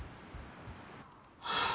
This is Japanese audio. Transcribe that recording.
はあ。